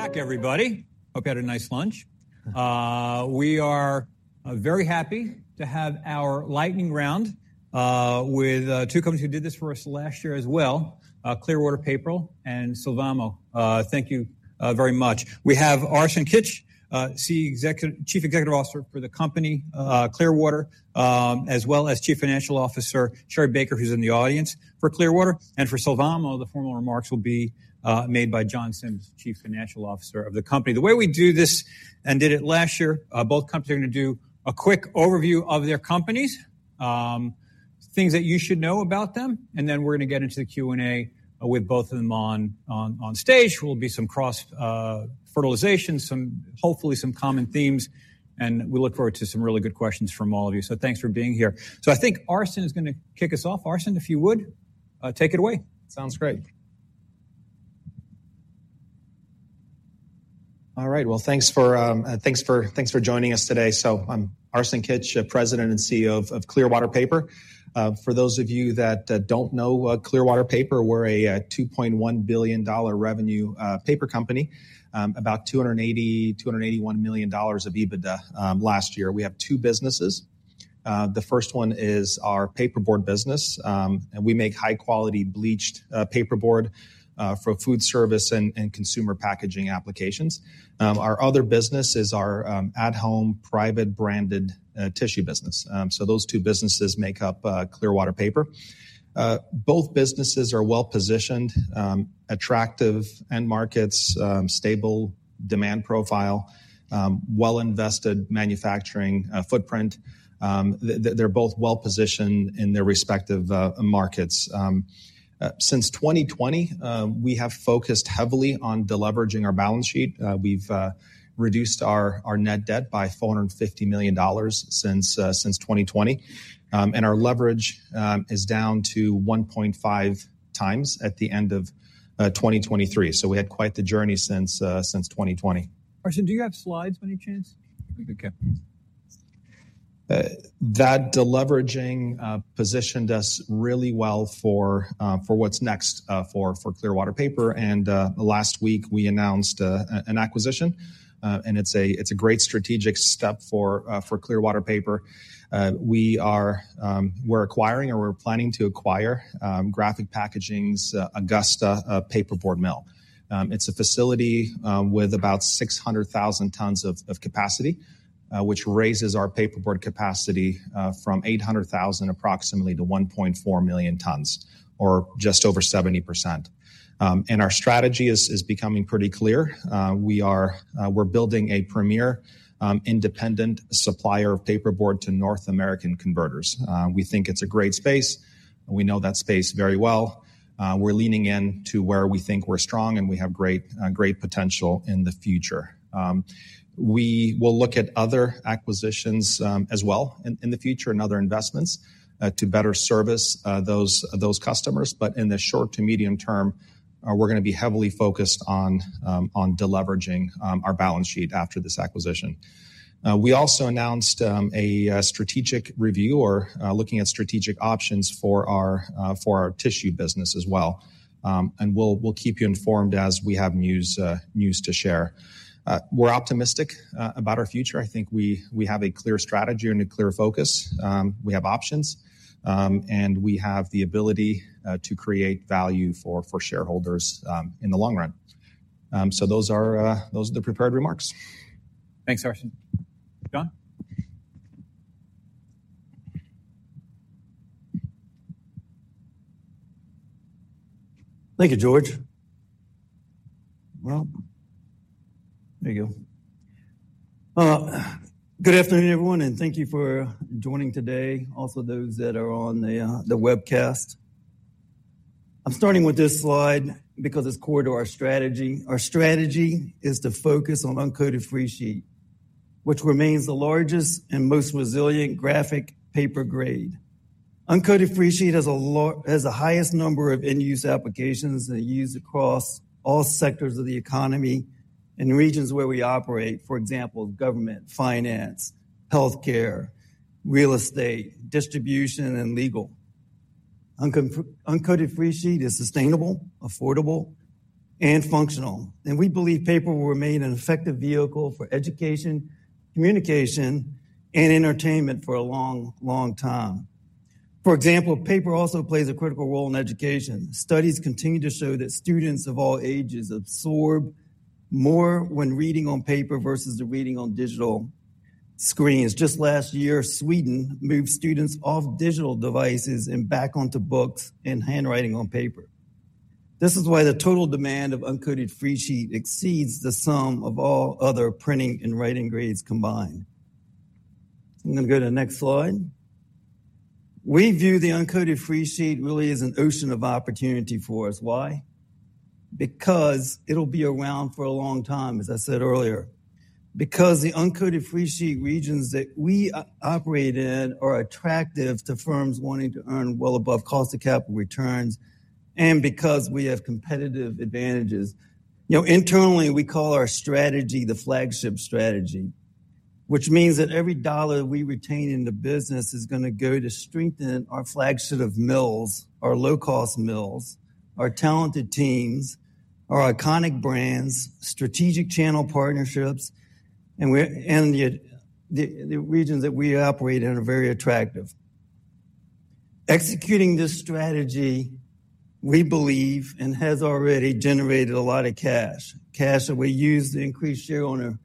Back, everybody. Hope you had a nice lunch. We are very happy to have our lightning round with two companies who did this for us last year as well, Clearwater Paper and Sylvamo. Thank you very much. We have Arsen Kitch, Chief Executive Officer for the company, Clearwater Paper, as well as Chief Financial Officer Sherri Baker, who's in the audience for Clearwater Paper. And for Sylvamo, the formal remarks will be made by John Sims, Chief Financial Officer of the company. The way we do this and did it last year, both companies are going to do a quick overview of their companies, things that you should know about them, and then we're going to get into the Q&A with both of them on stage. There will be some cross fertilization, some hopefully some common themes, and we look forward to some really good questions from all of you. Thanks for being here. I think Arsen is going to kick us off. Arsen, if you would, take it away. Sounds great. All right. Well, thanks for joining us today. So I'm Arsen Kitch, President and CEO of Clearwater Paper. For those of you that don't know, Clearwater Paper, we're a $2.1 billion revenue paper company, about $280-$281 million of EBITDA last year. We have two businesses. The first one is our paperboard business, and we make high-quality bleached paperboard for food service and consumer packaging applications, our other business is our at-home private branded tissue business. So those two businesses make up Clearwater Paper. Both businesses are well-positioned attractive end markets, stable demand profile, well-invested manufacturing footprint. They're both well-positioned in their respective markets. Since 2020, we have focused heavily on deleveraging our balance sheet. We've reduced our net debt by $450 million since 2020. Our leverage is down to 1.5 times at the end of 2023, so we had quite the journey since 2020. Arsen, do you have slides by any chance? That deleveraging positioned us really well for what's next for Clearwater Paper. And last week we announced an acquisition, and it's a great strategic step for Clearwater Paper. We're acquiring or we're planning to acquire Graphic Packaging's Augusta paperboard mill. It's a facility with about 600,000 tons of capacity, which raises our paperboard capacity from approximately 800,000-1.4 million tons, or just over 70%. Our strategy is becoming pretty clear, we're building a premier independent supplier of paperboard to North American converters. We think it's a great space, we know that space very well. We're leaning in to where we think we're strong and we have great potential in the future. We will look at other acquisitions as well in the future and other investments to better service those customers. But in the short to medium term, we're going to be heavily focused on deleveraging our balance sheet after this acquisition. We also announced a strategic review or looking at strategic options for our tissue business as well, and we'll keep you informed as we have news to share. We're optimistic about our future, I think we have a clear strategy and a clear focus. We have options, and we have the ability to create value for shareholders in the long run. So those are the prepared remarks. Thanks, Arsen. John? Thank you, George. Well, there you go. Good afternoon, everyone, and thank you for joining today, also those that are on the webcast. I'm starting with this slide because it's core to our strategy. Our strategy is to focus on uncoated freesheet, which remains the largest and most resilient graphic paper grade. Uncoated freesheet has the highest number of end-use applications that are used across all sectors of the economy and regions where we operate, for example, government, finance, healthcare, real estate, distribution, and legal. Uncoated freesheet is sustainable, affordable, and functional. And we believe paper will remain an effective vehicle for education, communication, and entertainment for a long, long time. For example, paper also plays a critical role in education. Studies continue to show that students of all ages absorb more when reading on paper versus reading on digital screens. Just last year, Sweden moved students off digital devices and back onto books and handwriting on paper. This is why the total demand of uncoated free sheet exceeds the sum of all other printing and writing grades combined. I'm going to go to the next slide. We view the uncoated free sheet really as an ocean of opportunity for us. Why? Because it'll be around for a long time, as I said earlier. Because, the uncoated free sheet regions that we operate in are attractive to firms wanting to earn well above cost of capital returns, and because we have competitive advantages. You know, internally, we call our strategy the flagship strategy. Which means that every dollar we retain in the business is going to go to strengthen our flagship of mills, our low-cost mills, our talented teams, our iconic brands, strategic channel partnerships, and the regions that we operate in are very attractive. Executing this strategy, we believe, and has already generated a lot of cash, cash that we use to increase shareholder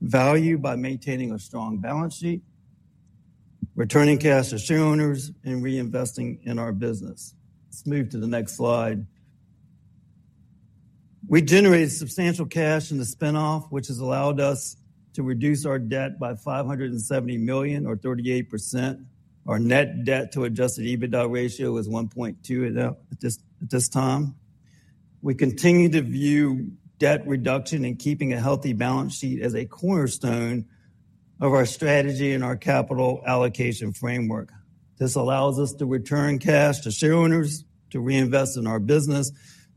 value by maintaining a strong balance sheet, returning cash to shareholders, and reinvesting in our business. Let's move to the next slide. We generated substantial cash in the spinoff, which has allowed us to reduce our debt by $570 million or 38%. Our net debt to adjusted EBITDA ratio is 1.2 at this time. We continue to view debt reduction and keeping a healthy balance sheet as a cornerstone of our strategy and our capital allocation framework. This allows us to return cash to shareholders, to reinvest in our business,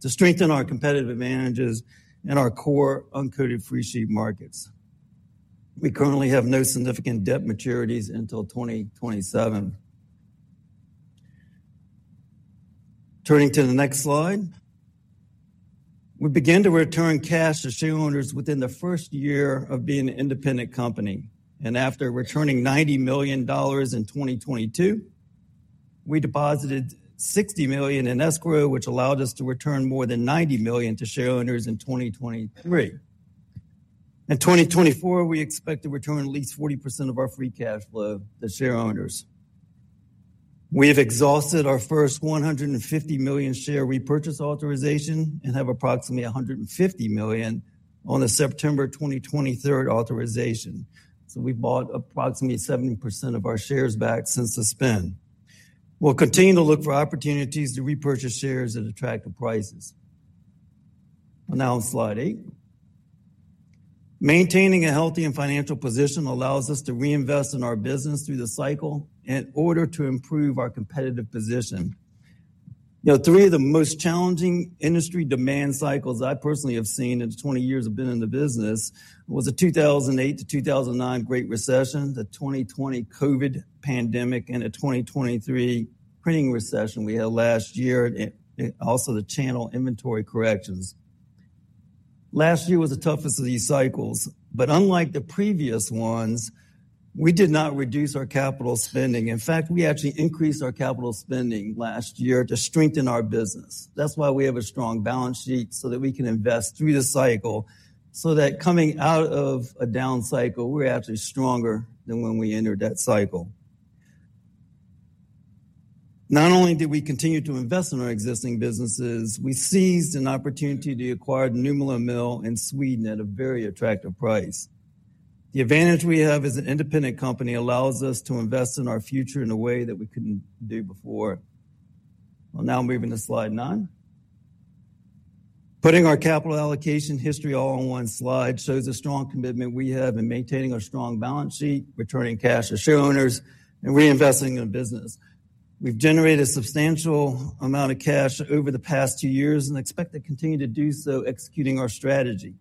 to strengthen our competitive advantages in our core uncoated freesheet markets. We currently have no significant debt maturities until 2027. Turning to the next slide, we began to return cash to shareholders within the first year of being an independent company. After returning $90 million in 2022, we deposited $60 million in escrow, which allowed us to return more than $90 million to shareholders in 2023. In 2024, we expect to return at least 40% of our free cash flow to shareholders. We have exhausted our first $150 million share repurchase authorization and have approximately $150 million on the September 2023 authorization. So we've bought approximately 70% of our shares back since the spin. We'll continue to look for opportunities to repurchase shares at attractive prices. Announced slide eight, maintaining a healthy financial position allows us to reinvest in our business through the cycle in order to improve our competitive position. You know, three of the most challenging industry demand cycles I personally have seen in the 20 years I've been in the business was the 2008-2009 Great Recession, the 2020 COVID pandemic, and the 2023 printing recession we had last year, and also the channel inventory corrections. Last year was the toughest of these cycles. But unlike the previous ones, we did not reduce our capital spending. In fact, we actually increased our capital spending last year to strengthen our business. That's why we have a strong balance sheet so that we can invest through the cycle so that coming out of a down cycle, we're actually stronger than when we entered that cycle. Not only did we continue to invest in our existing businesses, we seized an opportunity to acquire the Nymolla Mill in Sweden at a very attractive price. The advantage we have as an independent company allows us to invest in our future in a way that we couldn't do before. Well, now moving to slide nine, putting our capital allocation history all on one slide shows the strong commitment we have in maintaining our strong balance sheet, returning cash to shareholders, and reinvesting in business. We've generated a substantial amount of cash over the past two years and expect to continue to do so executing our strategy.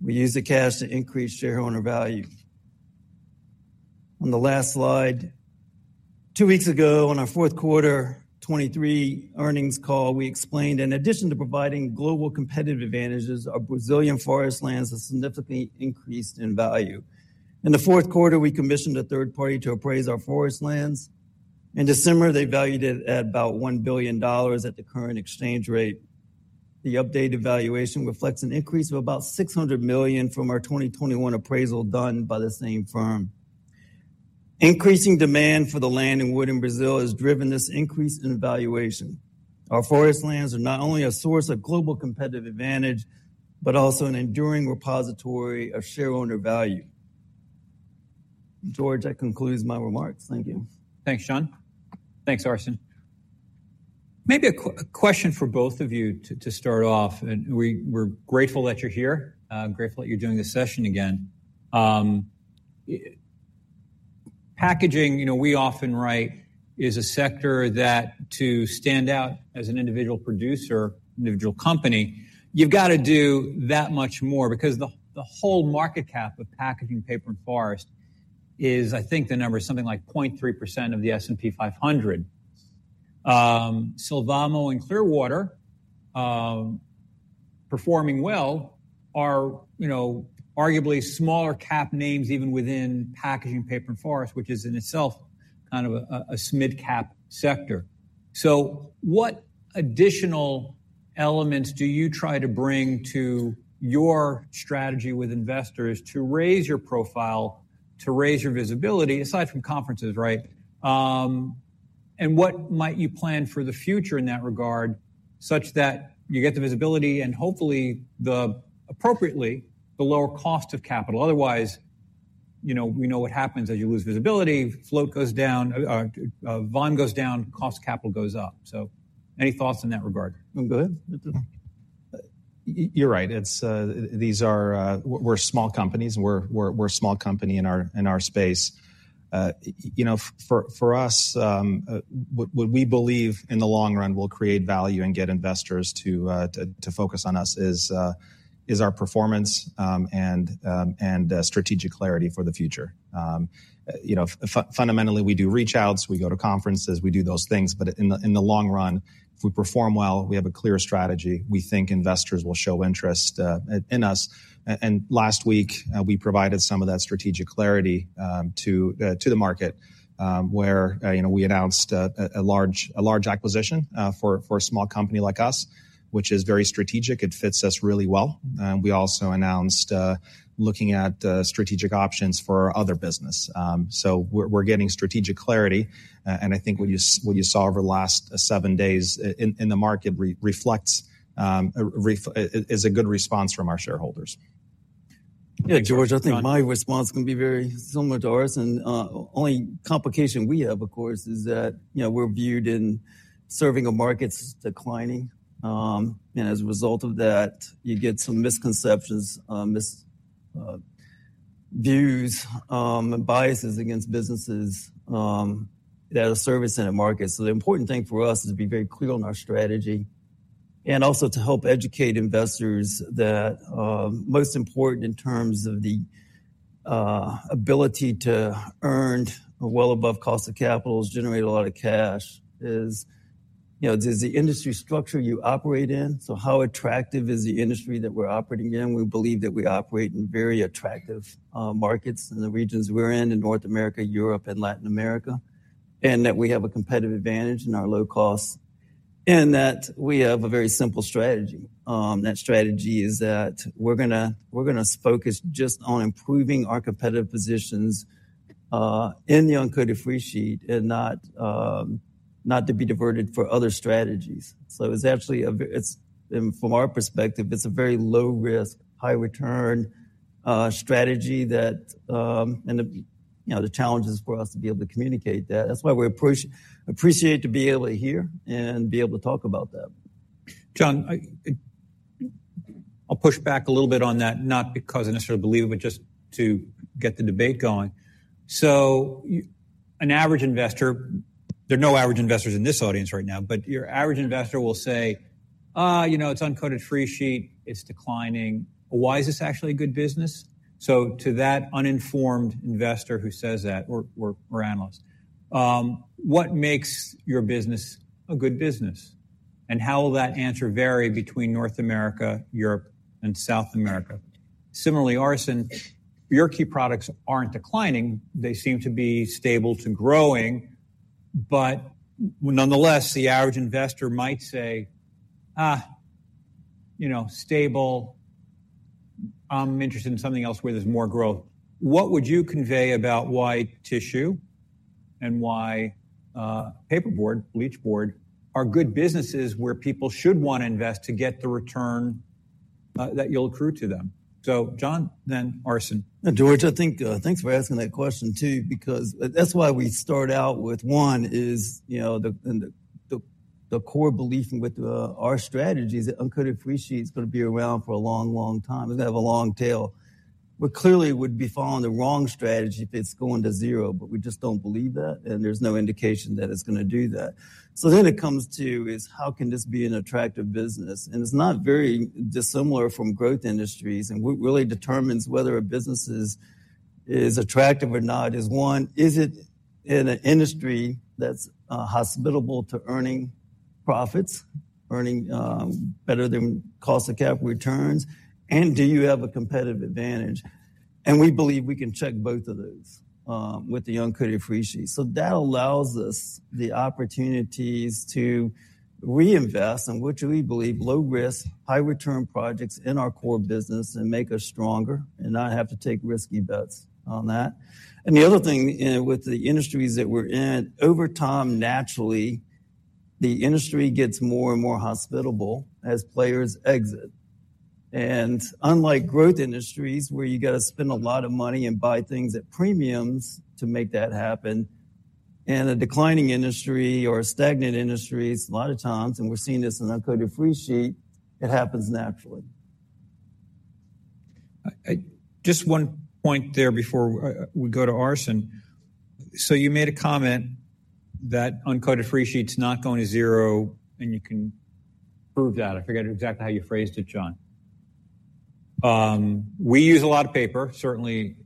We use the cash to increase shareholder value. On the last slide, two weeks ago on Q4 2023 earnings call, we explained, in addition to providing global competitive advantages, our Brazilian forest lands have significantly increased in value. In the Q4, we commissioned a third party to appraise our forest lands. In December, they valued it at about $1 billion at the current exchange rate. The updated valuation reflects an increase of about $600 million from our 2021 appraisal done by the same firm. Increasing demand for the land and wood in Brazil has driven this increase in valuation. Our forest lands are not only a source of global competitive advantage but also an enduring repository of shareholder value. George, I conclude my remarks. Thank you. Thanks, John. Thanks, Arsen. Maybe a question for both of you to start off. We're grateful that you're here, gateful that you're doing this session again. Packaging, you know, we often write, is a sector that to stand out as an individual producer, individual company, you've got to do that much more because the whole market cap of packaging paper and forest is, I think, the number is something like 0.3% of the S&P 500. Sylvamo and Clearwater, performing well, are, you know, arguably smaller cap names even within packaging paper and forest, which is in itself kind of a SMID cap sector. So what additional elements do you try to bring to your strategy with investors to raise your profile, to raise your visibility aside from conferences, right? And what might you plan for the future in that regard such that you get the visibility and hopefully the appropriately the lower cost of capital? Otherwise, you know, we know what happens as you lose visibility, float goes down, VOM goes down, cost of capital goes up. So any thoughts in that regard? Go ahead. You're right. These are, we're small companies and we're a small company in our space. You know, for us, what we believe in the long run will create value and get investors to focus on us is our performance and strategic clarity for the future. You know, fundamentally, we do reach outs. We go to conferences, we do those things. But in the long run, if we perform well, we have a clear strategy. We think investors will show interest in us, and last week, we provided some of that strategic clarity to the market where, you know, we announced a large acquisition for a small company like us, which is very strategic. It fits us really well. We also announced looking at strategic options for other business. So we're getting strategic clarity. I think what you saw over the last seven days in the market reflects a good response from our shareholders. Yeah, George, I think my response is going to be very similar to Arsen. The only complication we have, of course, is that, you know, we're viewed in serving a market that's declining. As a result of that, you get some misconceptions, misviews, and biases against businesses that are servicing a market. So the important thing for us is to be very clear on our strategy and also to help educate investors that most important in terms of the ability to earn well above cost of capital, generate a lot of cash is, you know, is the industry structure you operate in? So how attractive is the industry that we're operating in? We believe that we operate in very attractive markets in the regions we're in, in North America, Europe, and Latin America, and that we have a competitive advantage in our low cost and that we have a very simple strategy. That strategy is that we're going to focus just on improving our competitive positions in the uncoated free sheet and not to be diverted for other strategies. So it's actually from our perspective, it's a very low risk, high return strategy that and the challenges for us to be able to communicate that. That's why we appreciate to be able to hear and be able to talk about that. John, I'll push back a little bit on that, not because I necessarily believe it, but just to get the debate going. So, an average investor, there are no average investors in this audience right now, but your average investor will say, you know, it's uncoated freesheet, it's declining. Why is this actually a good business? So, to that uninformed investor who says that or analyst, what makes your business a good business? And how will that answer vary between North America, Europe, and South America? Similarly, Arsen, your key products aren't declining. They seem to be stable to growing. But nonetheless, the average investor might say, you know, stable. I'm interested in something else where there's more growth. What would you convey about why tissue and why paperboard, bleached board are good businesses where people should want to invest to get the return that you'll accrue to them? John, then Arsen. George, I think thanks for asking that question too because that's why we start out with one is, you know, the core belief with our strategy is that uncoated freesheet is going to be around for a long, long time. It's going to have a long tail. We clearly would be following the wrong strategy if it's going to zero, but we just don't believe that, and there's no indication that it's going to do that. So then it comes to is how can this be an attractive business? And it's not very dissimilar from growth industries, and what really determines whether a business is attractive or not is, one, is it in an industry that's hospitable to earning profits, earning better than cost of capital returns? And do you have a competitive advantage? And we believe we can check both of those with the uncoated freesheet. So that allows us the opportunities to reinvest in what do we believe low risk, high return projects in our core business and make us stronger and not have to take risky bets on that. And the other thing with the industries that we're in, over time, naturally, the industry gets more and more hospitable as players exit. And unlike growth industries where you got to spend a lot of money and buy things at premiums to make that happen, in a declining industry or a stagnant industry, a lot of times, and we're seeing this in uncoated freesheet, it happens naturally. Just one point there before we go to Arsen. So you made a comment that uncoated freesheet's not going to zero and you can prove that. I forget exactly how you phrased it, John. We use a lot of paper, certainly,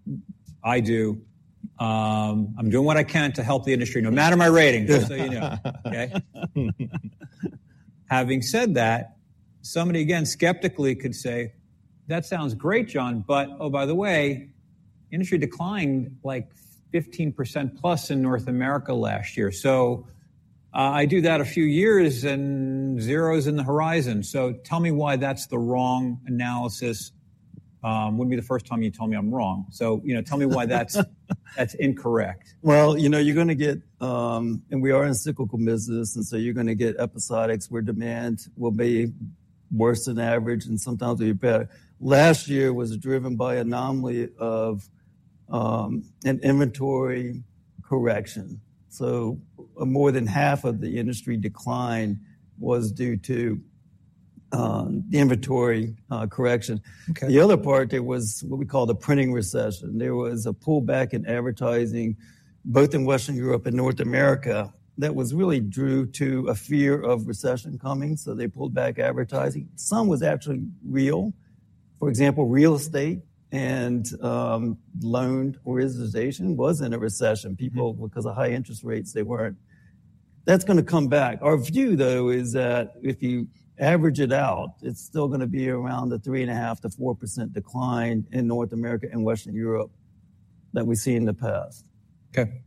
I do. I'm doing what I can to help the industry no matter my rating, just so you know. Okay. Having said that, somebody again skeptically could say, that sounds great, John, but oh, by the way, industry declined like 15%+ in North America last year. So I do that a few years and zeros in the horizon, so tell me why that's the wrong analysis? Wouldn't be the first time you told me I'm wrong. So, you know, tell me why that's incorrect. Well, you know, you're going to get and we are in a cyclical business, and so you're going to get episodics where demand will be worse than average and sometimes even better. Last year was driven by anomaly of an inventory correction. So more than half of the industry decline was due to the inventory correction. The other part, there was what we call the printing recession. There was a pullback in advertising both in Western Europe and North America that was really due to a fear of recession coming, so they pulled back advertising. Some was actually real, for example, real estate and loan or utilization was in a recession because of high interest rates. They weren't. That's going to come back,. Our view, though, is that if you average it out, it's still going to be around the 3.5% to 4% decline in North America and Western Europe that we've seen in the past. Okay.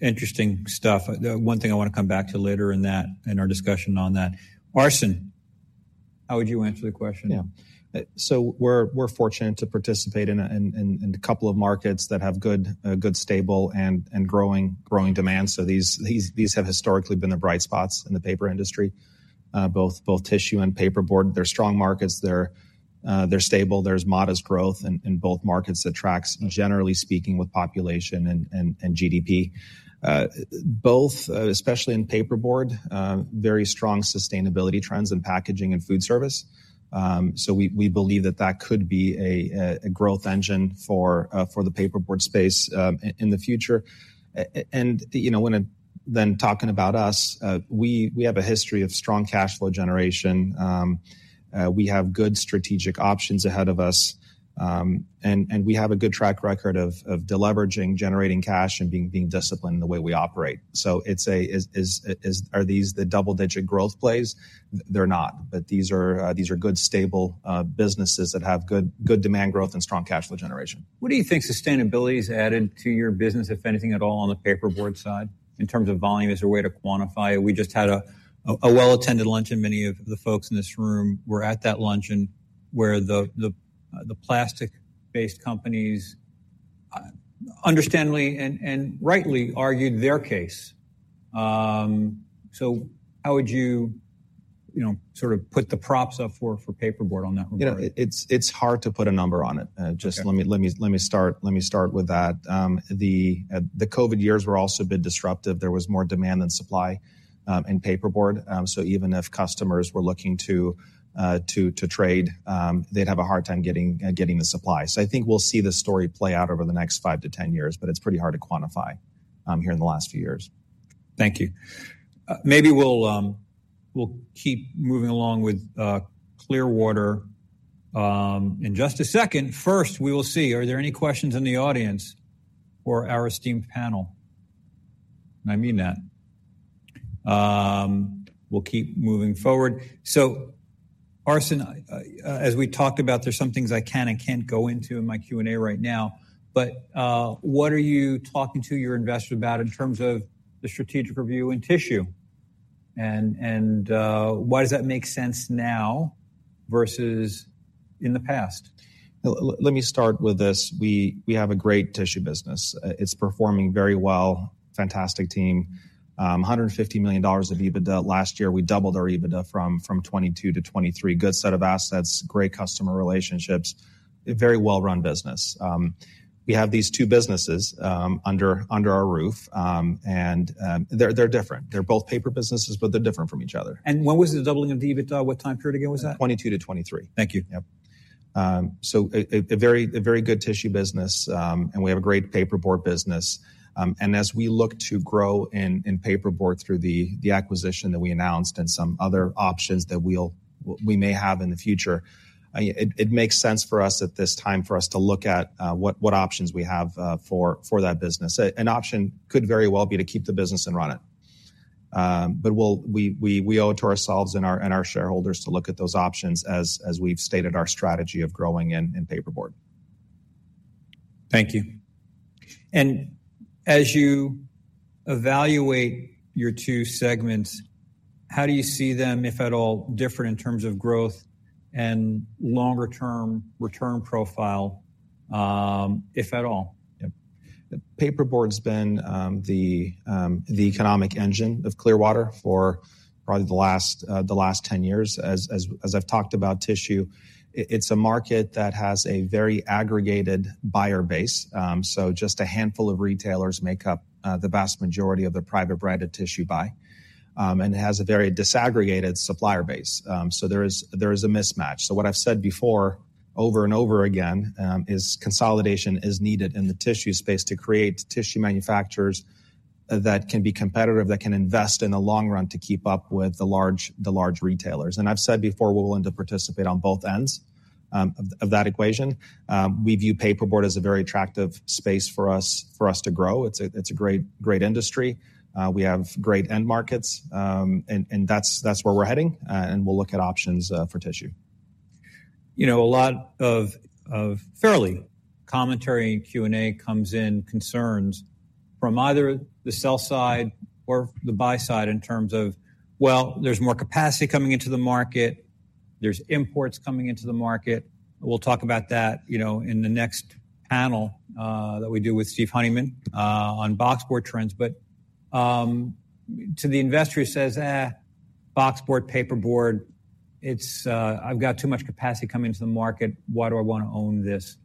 Interesting stuff. One thing I want to come back to later in our discussion on that. Arsen, how would you answer the question? Yeah. So we're fortunate to participate in a couple of markets that have good, stable, and growing demand. So these have historically been the bright spots in the paper industry, both tissue and paperboard. They're strong markets, they're stable, there's modest growth in both markets that tracks, generally speaking, with population and GDP. Both, especially in paperboard, very strong sustainability trends in packaging and food service. So we believe that that could be a growth engine for the paperboard space in the future, and, you know, when talking about us, we have a history of strong cash flow generation. We have good strategic options ahead of us, and we have a good track record of deleveraging, generating cash, and being disciplined in the way we operate. So are these the double digit growth plays? they're not. But these are good, stable businesses that have good demand growth and strong cash flow generation. What do you think sustainability has added to your business, if anything at all, on the paperboard side in terms of volume as a way to quantify it? We just had a well-attended lunch. And many of the folks in this room were at that lunch where the plastic-based companies understandably and rightly argued their case. So how would you sort of put the props up for paperboard on that report? It's hard to put a number on it. Just let me start with that. The COVID years were also a bit disruptive. There was more demand than supply in paperboard. So even if customers were looking to trade, they'd have a hard time getting the supply. So I think we'll see this story play out over the next 5-10 years, but it's pretty hard to quantify here in the last few years. Thank you, maybe we'll keep moving along with Clearwater in just a second. First, we will see, are there any questions in the audience or our esteemed panel? I mean that. We'll keep moving forward. So Arsen, as we talked about, there's some things I can and can't go into in my Q&A right now. But what are you talking to your investors about in terms of the strategic review in tissue? And why does that make sense now versus in the past? Let me start with this. We have a great tissue business. It's performing very well. Fantastic team. $150 million of EBITDA last year. We doubled our EBITDA from 2022-2023. Good set of assets, great customer relationships, very well-run business. We have these two businesses under our roof. They're different, they're both paper businesses, but they're different from each other. When was the doubling of the EBITDA? What time period again was that? 2022-2023. Thank you. Yep. So a very good tissue business. We have a great paperboard business. As we look to grow in paperboard through the acquisition that we announced and some other options that we may have in the future, it makes sense for us at this time for us to look at what options we have for that business. An option could very well be to keep the business and run it. But we owe it to ourselves and our shareholders to look at those options as we've stated our strategy of growing in paperboard. Thank you, and as you evaluate your two segments, how do you see them, if at all, different in terms of growth and longer-term return profile, if at all? Paperboard's been the economic engine of Clearwater for probably the last 10 years. As I've talked about tissue, it's a market that has a very aggregated buyer base. So just a handful of retailers make up the vast majority of the private branded tissue buy. And it has a very disaggregated supplier base. So there is a mismatch, so what I've said before over and over again is consolidation is needed in the tissue space to create tissue manufacturers that can be competitive, that can invest in the long run to keep up with the large retailers. And I've said before we're willing to participate on both ends of that equation. We view paperboard as a very attractive space for us to grow. It's a great industry. We have great end markets. And that's where we're heading. And we'll look at options for tissue. You know, a lot of fair commentary and Q&A comes in, concerns from either the sell side or the buy side in terms of, well, there's more capacity coming into the market. There's imports coming into the market. We'll talk about that in the next panel that we do with Steve Honeyman on boxboard trends. But to the investor who says, boxboard, paperboard, I've got too much capacity coming into the market. Why do I want to own this?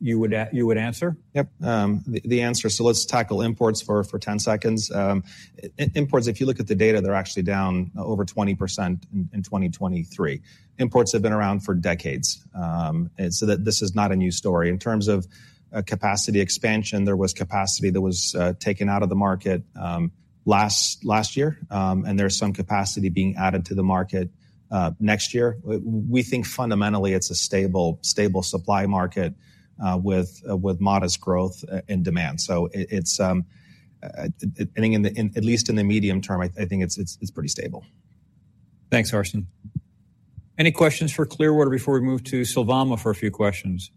You would answer? Yep. The answe, so let's tackle imports for 10 seconds. Imports, if you look at the data, they're actually down over 20% in 2023. Imports have been around for decades, so this is not a new story. In terms of capacity expansion, there was capacity that was taken out of the market last year, and there's some capacity being added to the market next year. We think fundamentally it's a stable supply market with modest growth and demand. So at least in the medium term, I think it's pretty stable. Thanks, Arsen. Any questions for Clearwater before we move to Sylvamo for a few questions?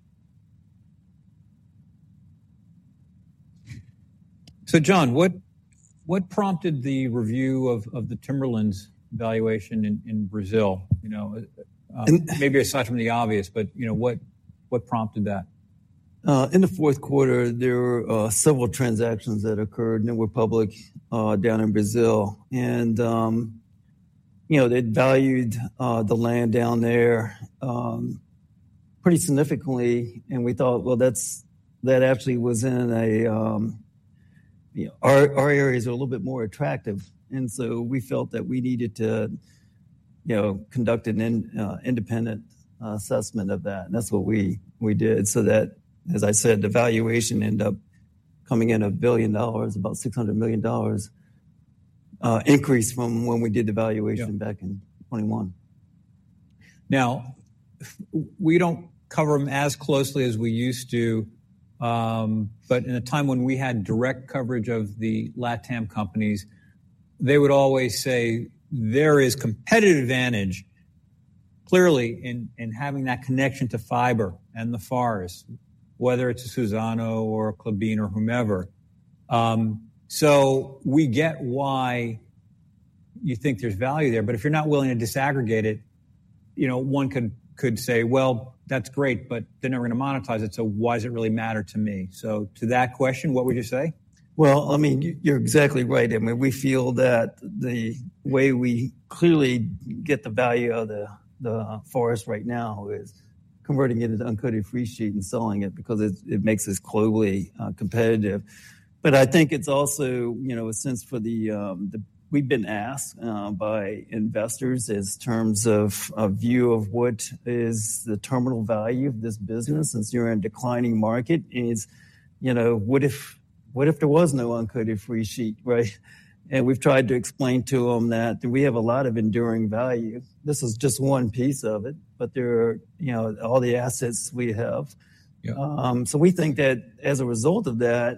So John, what prompted the review of the Timberlands valuation in Brazil? Maybe aside from the obvious, but what prompted that? In the Q4, there were several transactions that occurred that were public down in Brazil, and um valued the land down there pretty significantly. And we thought, well, that actually was in our areas are a little bit more attractive, and so we felt that we needed to conduct an independent assessment of that, and that's what we did. So that, as I said, the valuation ended up coming in $1 billion, about $600 million increase from when we did the valuation back in 2021. Now, we don't cover them as closely as we used to. But in a time when we had direct coverage of the LATAM companies, they would always say there is competitive advantage clearly in having that connection to fiber and the farms, whether it's a Suzano or a Klabin or whomever. So we get why you think there's value there, but if you're not willing to disaggregate it, one could say, well, that's great, but they're never going to monetize it. So why does it really matter to me? So to that question, what would you say? Well, I mean, you're exactly right. I mean, we feel that the way we clearly get the value of the forests right now is converting it into uncoated freesheet and selling it because it makes us globally competitive. But I think it's also a sense that we've been asked by investors in terms of view of what is the terminal value of this business since you're in a declining market. It's, you know, what if there was no uncoated freesheet, right? And we've tried to explain to them that we have a lot of enduring value. This is just one piece of it. But there are all the assets we have. So we think that as a result of that,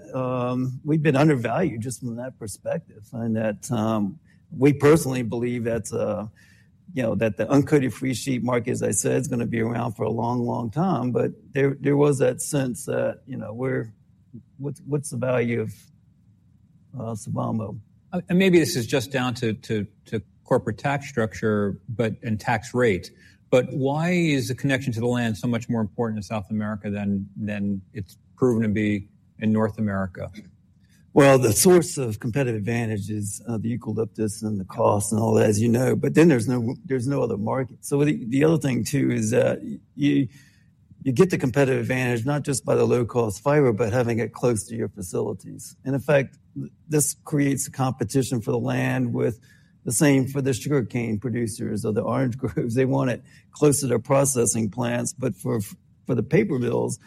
we've been undervalued just from that perspective. That we personally believe that the uncoated freesheet market, as I said, is going to be around for a long, long time. But, there was that sense that what's the value of Sylvamo? Maybe this is just down to corporate tax structure and tax rate. Why is the connection to the land so much more important in South America than it's proven to be in North America? Well, the source of competitive advantage is the eucalyptus and the cost and all that, as you know. But then there's no other market, so the other thing, too, is that you get the competitive advantage not just by the low-cost fiber, but having it close to your facilities. In effect, this creates a competition for the land with the same for the sugarcane producers or the orange groves. They want it close to their processing plants. But, for the paper mills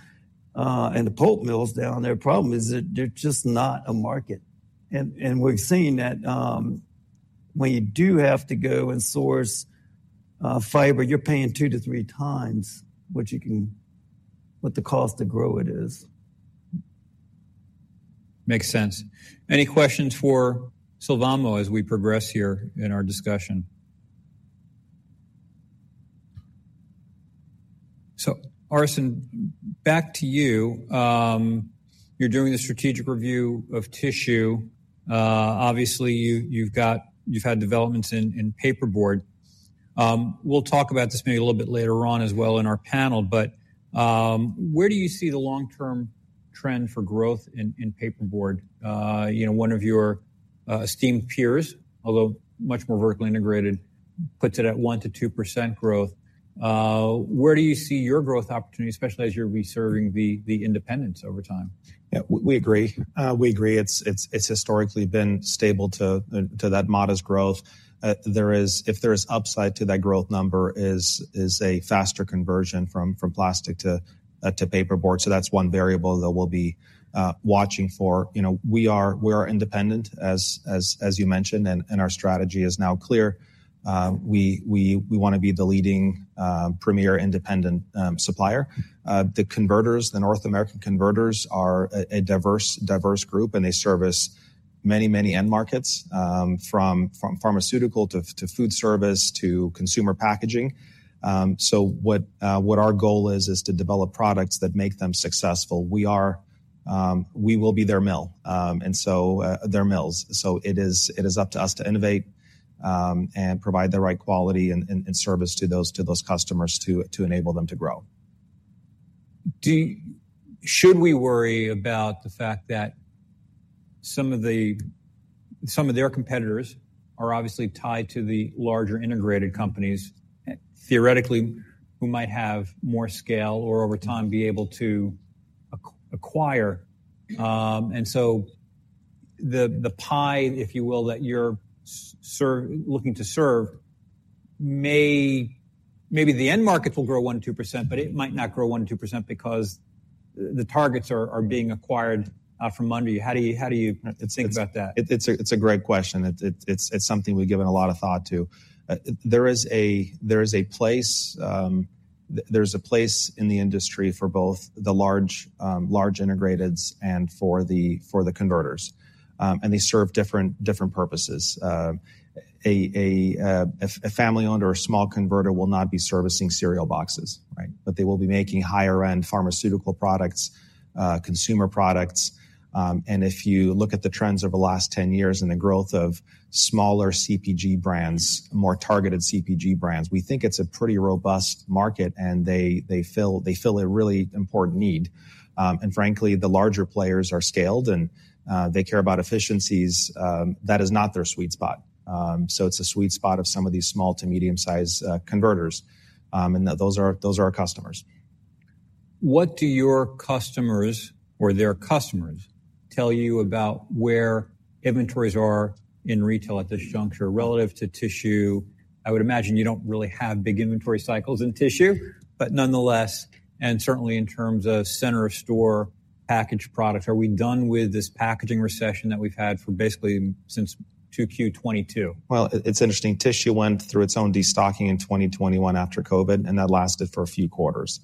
and the pulp mills down there, the problem is that they're just not a market. And we've seen that when you do have to go and source fiber, you're paying two to three times what the cost to grow it is. Makes sense. Any questions for Sylvamo as we progress here in our discussion? So Arsen, back to you. You're doing the strategic review of tissue. Obviously, you've had developments in paperboard. We'll talk about this maybe a little bit later on as well in our panel. But where do you see the long-term trend for growth in paperboard? One of your esteemed peers, although much more vertically integrated, puts it at 1% to 2% growth. Where do you see your growth opportunity, especially as you're reserving the independence over time? Yeah, we agree. We agree. It's historically been stable to that modest growth. If there is upside to that growth number, it is a faster conversion from plastic to paperboard. So that's one variable that we'll be watching for. We are independent, as you mentioned. Our strategy is now clear. We want to be the leading premier independent supplier. The North American converters are a diverse group. They service many, many end markets from pharmaceutical to food service to consumer packaging. So what our goal is, is to develop products that make them successful. We will be their mill and so their mills. So it is up to us to innovate and provide the right quality and service to those customers to enable them to grow. Should we worry about the fact that some of their competitors are obviously tied to the larger integrated companies, theoretically, who might have more scale or over time be able to acquire? And so the pie, if you will, that you're looking to serve, maybe the end markets will grow 1% to 2%, but it might not grow 1% to 2% because the targets are being acquired from under you. How do you think about that? It's a great question, it's something we've given a lot of thought to. There is a place in the industry for both the large integrateds and for the converters. They serve different purposes, a family-owned or a small converter will not be servicing cereal boxes, right? But they will be making higher-end pharmaceutical products, consumer products. If you look at the trends over the last 10 years and the growth of smaller CPG brands, more targeted CPG brands, we think it's a pretty robust market, they fill a really important need. Frankly, the larger players are scaled. They care about efficiencies, that is not their sweet spot. So it's a sweet spot of some of these small to medium-sized converters, those are our customers. What do your customers or their customers tell you about where inventories are in retail at this juncture relative to tissue? I would imagine you don't really have big inventory cycles in tissue, but nonetheless, and certainly in terms of center of store packaged products, are we done with this packaging recession that we've had for basically since 2Q22? Well, it's interesting, tissue went through its own destocking in 2021 after COVID. That lasted for a few quarters.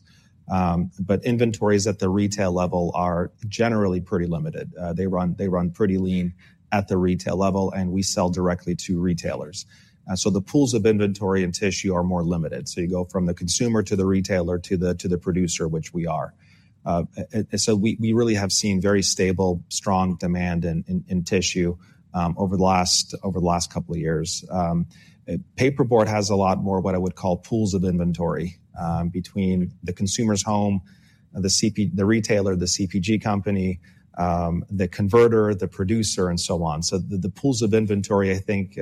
But, inventories at the retail level are generally pretty limited, they run pretty lean at the retail level, and we sell directly to retailers. The pools of inventory in tissue are more limited. You go from the consumer to the retailer to the producer, which we are. We really have seen very stable, strong demand in tissue over the last couple of years. Paperboard has a lot more of what I would call pools of inventory between the consumer's home, the retailer, the CPG company, the converter, the producer, and so on. The pools of inventory, I think,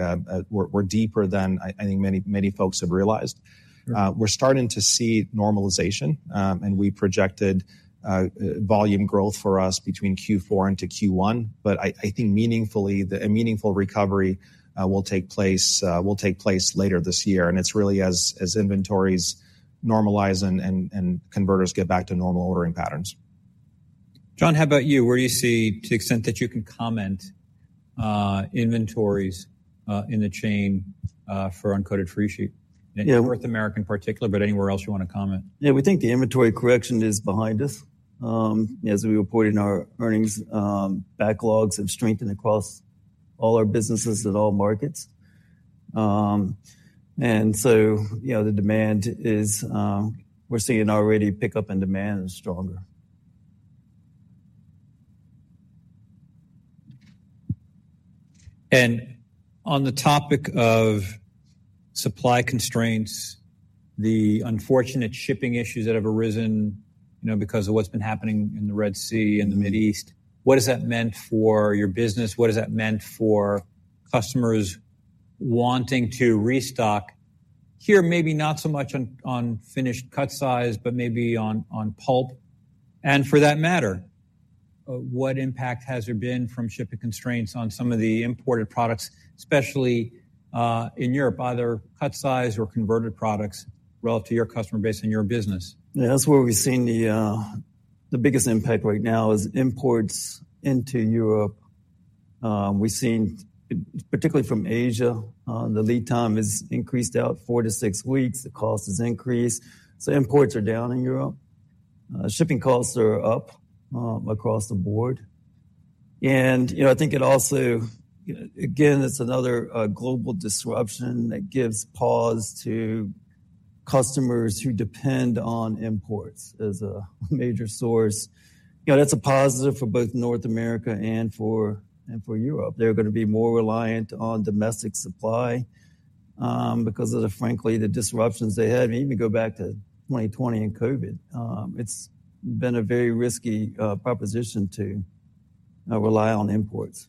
were deeper than I think many folks have realized. We're starting to see normalization. We projected volume growth for us between Q4 and to Q1. I think a meaningful recovery will take place later this year. It's really as inventories normalize and converters get back to normal ordering patterns. John, how about you? Where do you see, to the extent that you can comment, inventories in the chain for uncoated freesheet? North America, in particular, but anywhere else you want to comment? Yeah, we think the inventory correction is behind us. As we reported in our earnings, backlogs have strengthened across all our businesses in all markets. And so the demand is, we're seeing it already pick up, and demand is stronger. On the topic of supply constraints, the unfortunate shipping issues that have arisen because of what's been happening in the Red Sea and the Middle East, what has that meant for your business? What has that meant for customers wanting to restock here, maybe not so much on finished cut size, but maybe on pulp? And for that matter, what impact has there been from shipping constraints on some of the imported products, especially in Europe, either cut size or converted products relative to your customer base and your business? Yeah, that's where we've seen the biggest impact right now is imports into Europe. We've seen, particularly from Asia, the lead time has increased out 4-6 weeks. The cost has increased. So imports are down in Europe, shipping costs are up across the board, and I think it also, again, it's another global disruption that gives pause to customers who depend on imports as a major source. That's a positive for both North America and for Europe. They're going to be more reliant on domestic supply because of the, frankly, the disruptions they had. Even go back to 2020 and COVID, it's been a very risky proposition to rely on imports.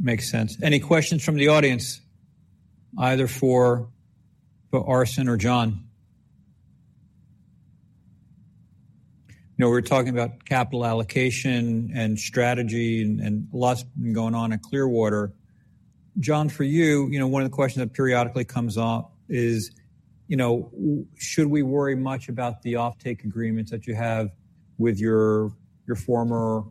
Makes sense. Any questions from the audience, either for Arsen or John? We're talking about capital allocation and strategy and lots been going on at Clearwater. John, for you, one of the questions that periodically comes up is, should we worry much about the offtake agreements that you have with your former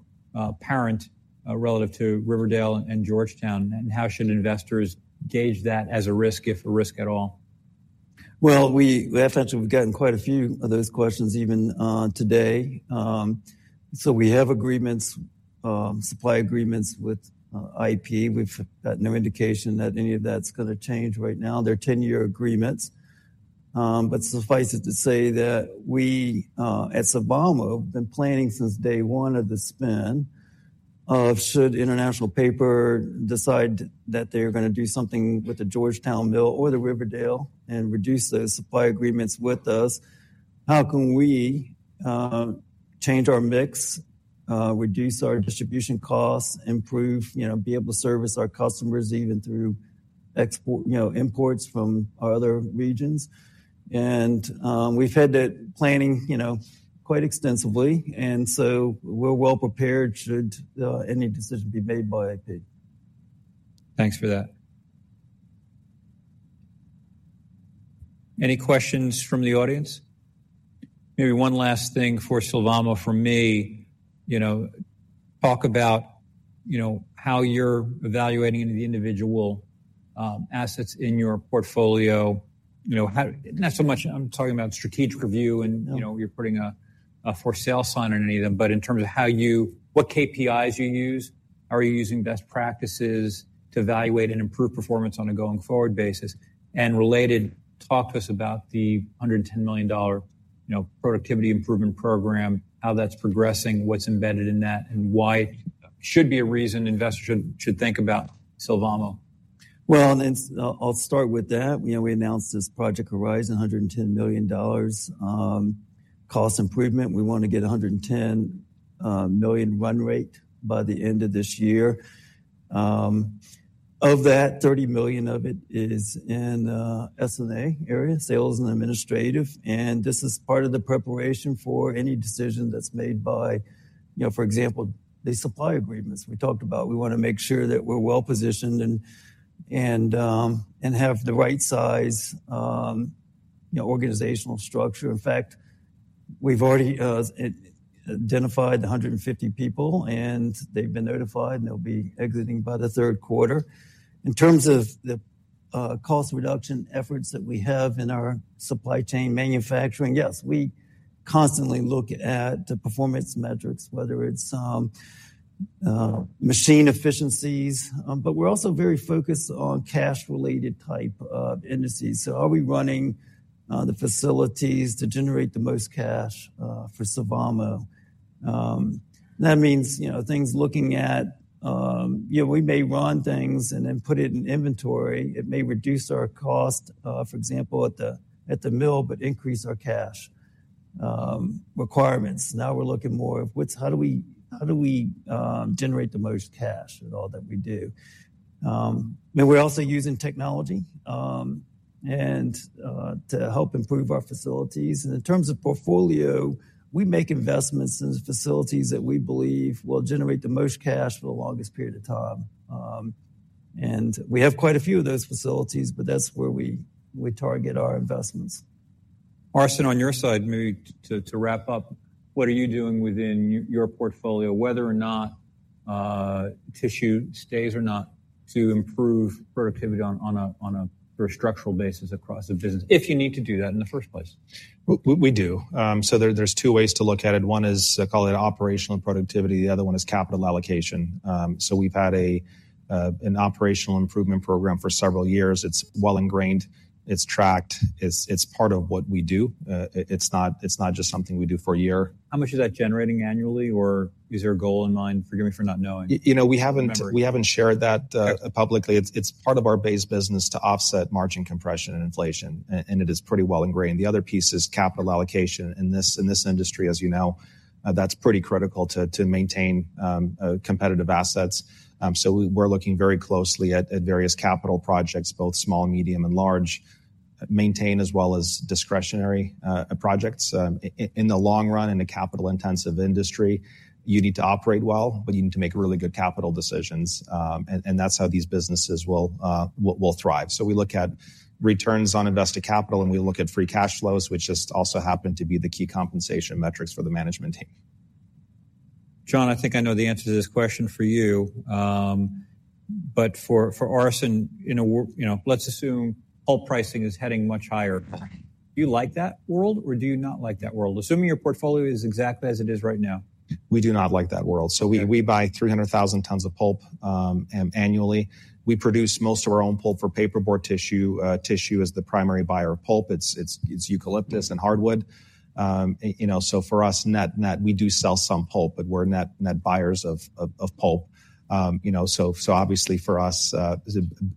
parent relative to Riverdale and Georgetown? And how should investors gauge that as a risk, if a risk at all? Well, we've gotten quite a few of those questions even today. So we have agreements, supply agreements with IP. We've got no indication that any of that's going to change right now. They're 10-year agreements, but suffice it to say that we at Sylvamo have been planning since day one of the spin-off should International Paper decide that they're going to do something with the Georgetown mill or the Riverdale and reduce those supply agreements with us, how can we change our mix, reduce our distribution costs, improve, be able to service our customers even through imports from our other regions? And we've had that planning quite extensively. And so we're well prepared should any decision be made by IP. Thanks for that. Any questions from the audience? Maybe one last thing for Sylvamo from me. Talk about how you're evaluating any of the individual assets in your portfolio. Not so much I'm talking about strategic review and you're putting a for sale sign on any of them, but in terms of what KPIs you use, are you using best practices to evaluate and improve performance on a going forward basis? And related, talk to us about the $110 million productivity improvement program, how that's progressing, what's embedded in that, and why it should be a reason investors should think about Sylvamo. Well, I'll start with that. We announced this Project Horizon, $110 million cost improvement. We want to get a $110 million run rate by the end of this year. Of that, $30 million of it is in S&A area, sales and administrative. This is part of the preparation for any decision that's made by, for example, the supply agreements we talked about. We want to make sure that we're well positioned and have the right size organizational structure. In fact, we've already identified the 150 people. They've been notified, and they'll be exiting by the Q3. In terms of the cost reduction efforts that we have in our supply chain manufacturing, yes, we constantly look at the performance metrics, whether it's machine efficiencies. But we're also very focused on cash-related type indices. So are we running the facilities to generate the most cash for Sylvamo? That means things looking at we may run things and then put it in inventory. It may reduce our cost, for example, at the mill, but increase our cash requirements. Now we're looking more of how do we generate the most cash at all that we do? We're also using technology to help improve our facilities. In terms of portfolio, we make investments in the facilities that we believe will generate the most cash for the longest period of time. We have quite a few of those facilities, but that's where we target our investments. Arsen, on your side, maybe to wrap up, what are you doing within your portfolio, whether or not tissue stays or not to improve productivity on a very structural basis across the business, if you need to do that in the first place? We do, so there's two ways to look at it. One is, call it operational productivity, the other one is capital allocation. So we've had an operational improvement program for several years. It's well ingrained, iIt's tracked, it's part of what we do. It's not just something we do for a year. How much is that generating annually? Or is there a goal in mind? Forgive me for not knowing. We haven't shared that publicly, it's part of our base business to offset margin compression and inflation. It is pretty well ingrained. The other piece is capital allocation. In this industry, as you know, that's pretty critical to maintain competitive assets. So we're looking very closely at various capital projects, both small, medium, and large, maintain as well as discretionary projects. In the long run, in a capital-intensive industry, you need to operate well. But. you need to make really good capital decisions. And that's how these businesses will thrive. So we look at returns on invested capital. And we look at free cash flows, which just also happen to be the key compensation metrics for the management team. John, I think I know the answer to this question for you. But for Arsen, let's assume pulp pricing is heading much higher. Do you like that world? Or do you not like that world, assuming your portfolio is exactly as it is right now? We do not like that world. So we buy 300,000 tons of pulp annually, we produce most of our own pulp for paperboard tissue. Tissue is the primary buyer of pulp. It's eucalyptus and hardwood. So for us, we do sell some pulp. But we're net buyers of pulp. So obviously, for us,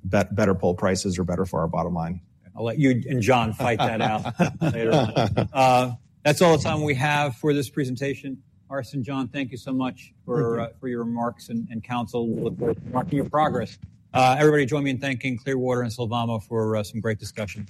better pulp prices are better for our bottom line. I'll let you and John fight that out later on. That's all the time we have for this presentation. Arsen, John, thank you so much for your remarks and counsel. We'll look forward to marking your progress. Everybody, join me in thanking Clearwater and Sylvamo for some great discussions.